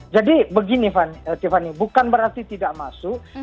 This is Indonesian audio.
jadi begini tiffany bukan berarti tidak masuk